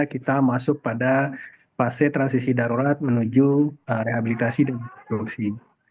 kita masuk pada fase transisi darurat menuju rehabilitasi dan produksi